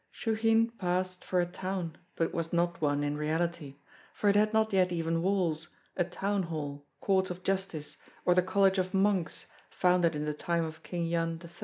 Shchuchyn passed for a town, but was not one in reality; for it had not yet even walls, a town hall, courts of justice, or the college of monks, founded in the time of King Yan III.